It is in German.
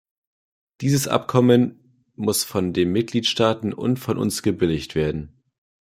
Dieses Abkommen muss von den Mitgliedstaaten und von uns gebilligt werden.